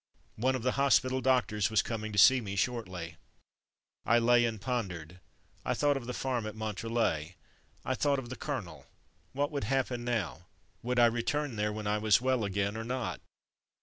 One of the hos pital doctors was coming to see me shortly. I lay and pondered. I thought of the farm at Montrelet. I thought of the colonel. What would happen now ? Would I return there when I was well again, or not